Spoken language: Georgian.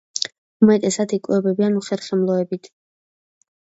უმეტესად იკვებებიან უხერხემლოებით.